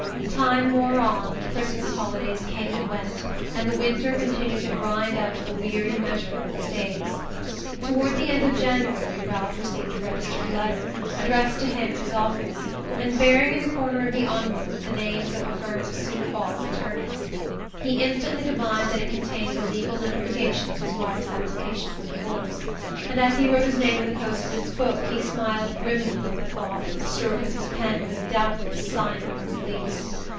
Time wore on, the Christmas holidays came and went, and the winter continued to grind out the weary measure of its days. Toward the end of January Ralph received a registered letter, addressed to him at his office, and bearing in the corner of the envelope the names of a firm of Sioux Falls attorneys. He instantly divined that it contained the legal notification of his wife's application for divorce, and as he wrote his name in the postman's book he smiled grimly at the thought that the stroke of his pen was doubtless signing her release.